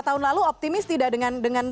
tahun lalu optimis tidak dengan